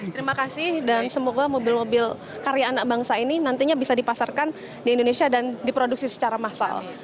terima kasih dan semoga mobil mobil karya anak bangsa ini nantinya bisa dipasarkan di indonesia dan diproduksi secara massal